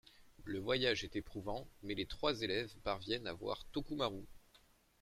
Le voyage est éprouvant, mais les trois élèves parviennent à voir Tokumaru.